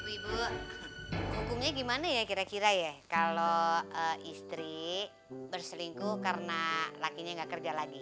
ibu ibu hukumnya gimana ya kira kira ya kalau istri berselingkuh karena lakinya nggak kerja lagi